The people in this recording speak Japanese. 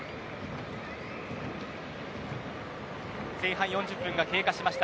前半４０分が経過しました。